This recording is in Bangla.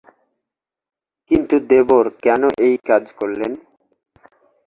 কিন্তু দেবর কেন এই কাজ করলেন?